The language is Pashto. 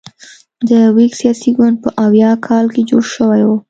د ویګ سیاسي ګوند په اویا کال کې جوړ شوی و.